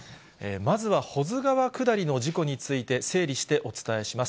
まずは保津川下りの事故について、整理してお伝えします。